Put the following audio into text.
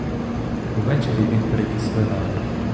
Увечері він приніс вина.